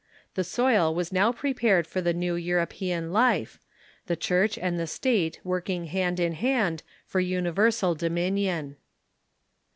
The soil was now prepared for the new European life — the Church and the State work inrj hand in hand for universal dominion.